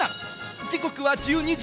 時刻は１２時。